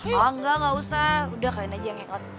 enggak enggak usah udah kalian aja yang hangout